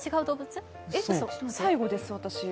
最後です、私。